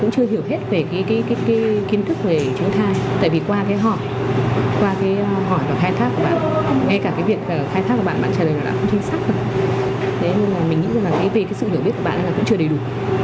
sự hiểu biết của bạn là cũng chưa đầy đủ